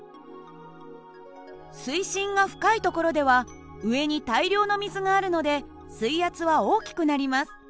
水深が深い所では上に大量の水があるので水圧は大きくなります。